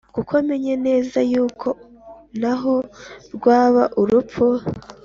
Kuko menye neza yuko naho rwaba urupfu,